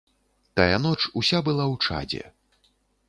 Тая ноч уся была ў чадзе.